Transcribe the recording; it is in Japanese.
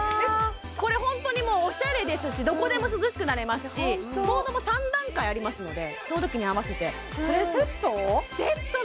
これホントにもうおしゃれですしどこでも涼しくなれますしモードも３段階ありますのでそのときに合わせてそれセット？